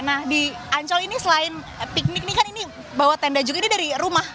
nah di ancol ini selain piknik nih kan ini bawa tenda juga ini dari rumah